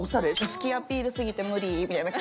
好きアピールすぎて無理みたいな。